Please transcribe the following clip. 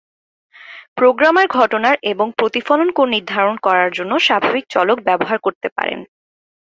Programmer ঘটনার এবং প্রতিফলন কোণ নির্ধারণ করার জন্য স্বাভাবিক চলক ব্যবহার করতে পারেন।